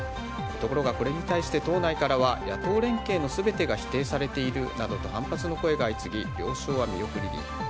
ところがこれに対して党内からは野党連携の全てが否定されているなどと反発の声が相次ぎ了承は見送りに。